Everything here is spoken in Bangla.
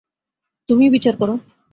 তুমিই বিচার করো।